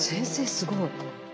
すごい。